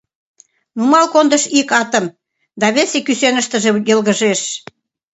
Нумал кондыш ик атым да весе кӱсеныштыже йылгыжеш.